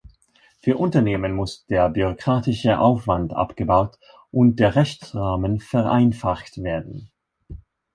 Für Unternehmen muss der bürokratische Aufwand abgebaut und der Rechtsrahmen vereinfacht werden.